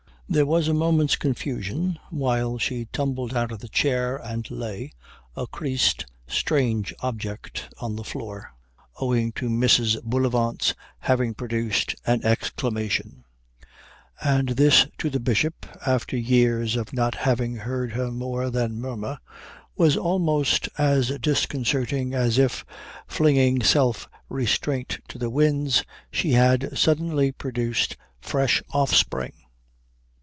There was a moment's confusion while she tumbled out of the chair and lay, a creased, strange object, on the floor, owing to Mrs. Bullivant's having produced an exclamation; and this to the Bishop, after years of not having heard her more than murmur, was almost as disconcerting as if, flinging self restraint to the winds, she had suddenly produced fresh offspring.